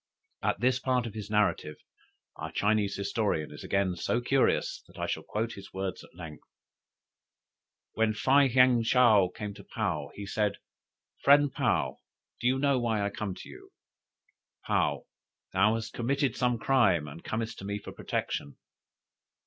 At this part of his narrative our Chinese historian is again so curious, that I shall quote his words at length. "When Fei heung Chow came to Paou, he said: 'Friend Paou, do you know why I come to you?'" "Paou. 'Thou hast committed some crime and comest to me for protection?'"